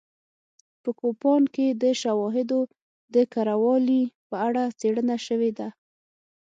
په کوپان کې د شواهدو د کره والي په اړه څېړنه شوې ده